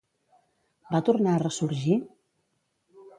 Va tornar a ressorgir?